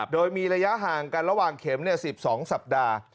โดยมีระยะห่างกันระหว่างเข็ม๑๒สัปดาห์